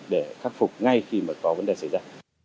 để khắc phục ngay khi mà có vấn đề xảy ra